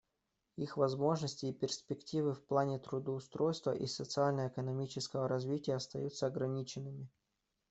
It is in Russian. Их возможности и перспективы в плане трудоустройства и социально-экономического развития остаются ограниченными.